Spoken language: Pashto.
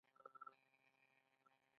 ایا زه باید له مور او پلار لرې اوسم؟